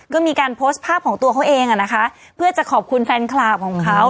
ก็มีการโพสต์ภาพของตัวเขาเองอ่ะนะคะเพื่อจะขอบคุณแฟนคลับของเขา